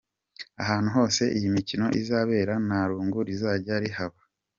Ahantu hose iyi mikino izabera nta rungu rizajya rihaba.